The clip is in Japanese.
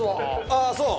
ああそう？